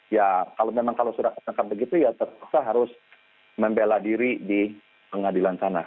ya kalau memang kalau sudah tersangka begitu ya terpaksa harus membela diri di pengadilan sana